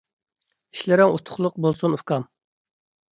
ئىشلىرىڭ ئۇتۇقلۇق بولسۇن ئۇكام.